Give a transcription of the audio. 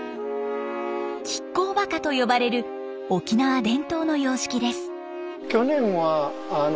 亀甲墓と呼ばれる沖縄伝統の様式です。